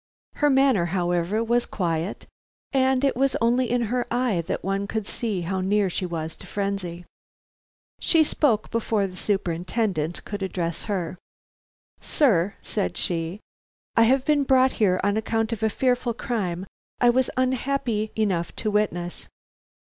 Her manner, however, was quiet, and it was only in her eye that one could see how near she was to frenzy. She spoke before the Superintendent could address her. "Sir," said she, "I have been brought here on account of a fearful crime I was unhappy enough to witness.